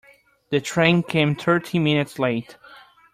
The train came thirteen minutes late.